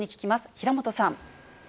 平本さん。